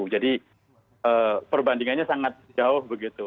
jadi perbandingannya sangat jauh begitu